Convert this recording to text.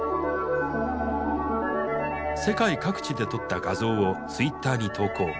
世界各地で撮った画像をツイッターに投稿。